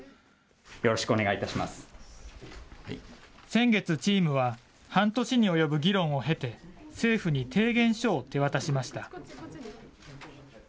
先月チームは、半年に及ぶ議論を経て、政府に提言書を手渡しました。